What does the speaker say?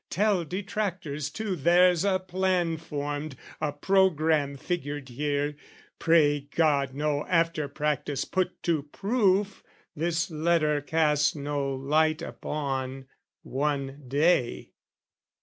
Tell detractors too "There's a plan formed, a programme figured here " Pray God no after practice put to proof, "This letter cast no light upon, one day!"